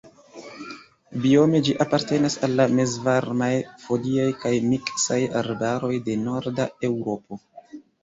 Biome ĝi apartenas al la mezvarmaj foliaj kaj miksaj arbaroj de Norda Eŭropo.